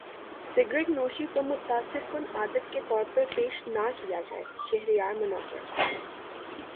cigarette نوشی کو متاثر کن عادت کے طور پر پیش نہ کیا جائے شہریار منور